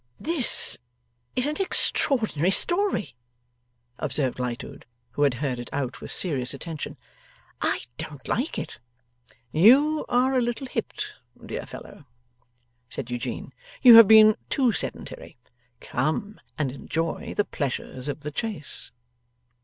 'This is an extraordinary story,' observed Lightwood, who had heard it out with serious attention. 'I don't like it.' 'You are a little hipped, dear fellow,' said Eugene; 'you have been too sedentary. Come and enjoy the pleasures of the chase.